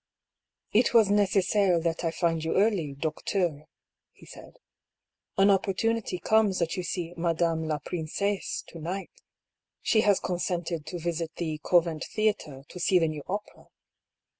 " It was necessaire that I find you early, docteur," he said. ^' An opportunity comes that you see madame la princesse to night. She has consented to visit the Govent Theatre, to see the new opera."